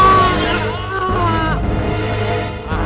aku kita absolutely paham